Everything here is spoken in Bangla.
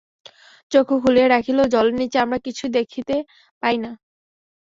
চক্ষু খুলিয়া রাখিলেও জলের নীচে আমরা কিছুই দেখিতে পাই না।